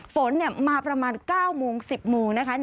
ฝนมาประมาณ๙โมง๑๐โมงนะคะ